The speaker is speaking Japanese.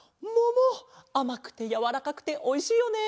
あまくてやわらかくておいしいよね。